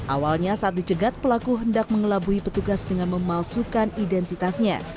awalnya saat dicegat pelaku hendak mengelabui petugas dengan memalsukan identitasnya